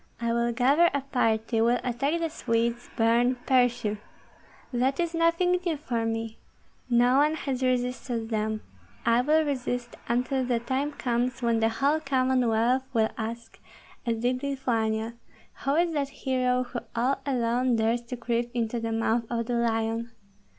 "I will gather a party, will attack the Swedes, burn, pursue. That is nothing new for me! No one has resisted them; I will resist until the time comes when the whole Commonwealth will ask, as did Lithuania, who is that hero who all alone dares to creep into the mouth of the lion?